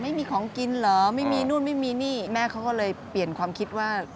ไม่มีของกินเหรอไม่มีนู่นไม่มีนี่แม่เขาก็เลยเปลี่ยนความคิดว่า